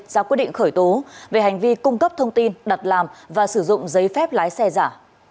ra quyết định khởi tố về hành vi cung cấp thông tin đặt làm và sử dụng giấy phép lái xe giả